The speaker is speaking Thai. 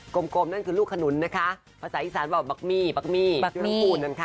กลมนั่นคือลูกขนุนนะคะภาษาอีกษานบอกว่าบั๊กมี่ดูลูกกรูดกันค่ะ